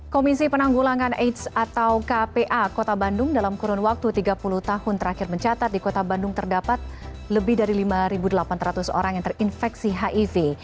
komisi penanggulangan aids atau kpa kota bandung dalam kurun waktu tiga puluh tahun terakhir mencatat di kota bandung terdapat lebih dari lima delapan ratus orang yang terinfeksi hiv